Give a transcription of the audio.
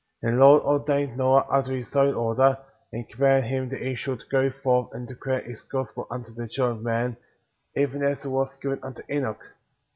And the Lord ordained^ Noah after his own order, and commanded him that he should go forth and declare his GospeP unto the children of men, even as it was given unto Enoch.